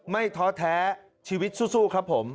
ท้อแท้ชีวิตสู้ครับผม